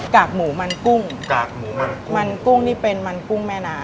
กากหมูมันกุ้งมันกุ้งนี่เป็นมันกุ้งแม่น้ำ